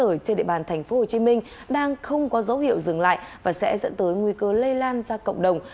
ở trên địa bàn tp hcm đang không có dấu hiệu dừng lại và sẽ dẫn tới nguy cơ lây lan ra cộng đồng